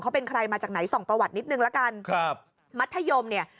เขาเป็นใครมาจากไหนส่องประวัตินิดนึงละกันครับมัธยมเนี่ย